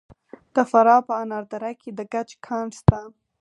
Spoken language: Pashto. د فراه په انار دره کې د ګچ کان شته.